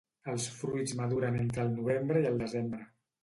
Els fruits maduren entre el novembre i el desembre.